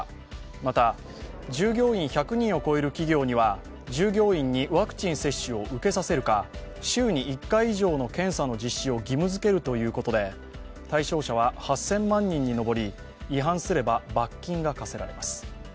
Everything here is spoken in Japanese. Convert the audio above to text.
また、従業員１００人を超える企業には従業員にワクチン接種を受けさせるか週に１回以上の検査の実施を義務づけるということで対象者は８０００万人に上り違反すれば罰金が科せられます。